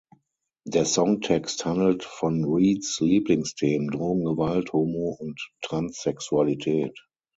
Der Songtext handelt von Reeds Lieblingsthemen: Drogen, Gewalt, Homo- und Transsexualität.